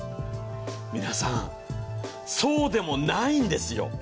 皆さん、そうでもないんですよ。